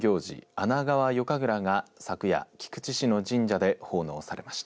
穴川夜神楽が昨夜菊池市の神社で奉納されました。